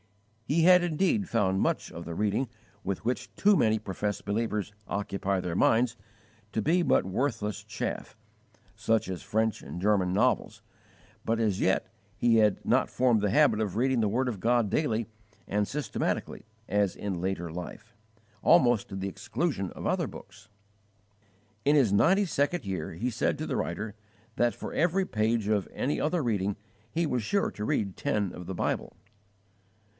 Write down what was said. He had indeed found much of the reading with which too many professed believers occupy their minds to be but worthless chaff such as French and German novels; but as yet he had not formed the habit of reading the word of God daily and systematically as in later life, almost to the exclusion of other books. In his ninety second year, he said to the writer, that for every page of any other reading he was sure he read ten of the Bible.